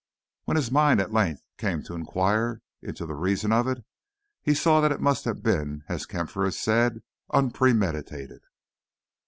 When his mind at length came to inquire into the reason of it, he saw that it must have been, as Kampfer had said, unpremeditated.